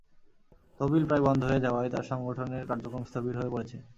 তহবিল প্রায় বন্ধ হয়ে যাওয়ায় তাঁর সংগঠনের কাযক্রম স্থবির হয়ে পড়েছে।